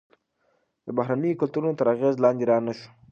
د بهرنیو کلتورونو تر اغیز لاندې رانه شو.